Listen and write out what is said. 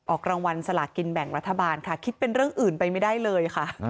ออกรางวัลสลากินแบ่งรัฐบาลค่ะคิดเป็นเรื่องอื่นไปไม่ได้เลยค่ะ